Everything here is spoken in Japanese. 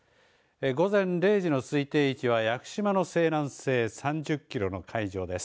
午前０時の推定位置は屋久島の西南西３０キロの海上です。